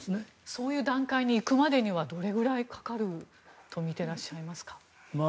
そういう段階に行くまでにはどれくらいかかると見ていらっしゃいますか。